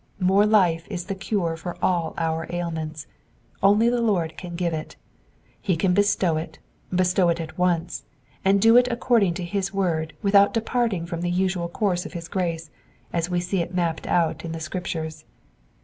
More life is the cure for all our ailments. Only the Lord can give it. He can bestow it, bestow it at once, and do it according to his word, without departing from the usual course of his grace, as we see it mapped out in the Scriptures.